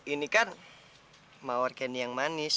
ini kan mawar candi yang manis